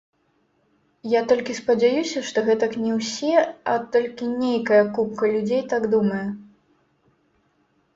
Я толькі спадзяюся, што гэтак не ўсе, а толькі нейкая купка людзей так думае.